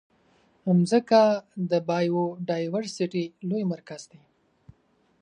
مځکه د بایوډایورسټي لوی مرکز دی.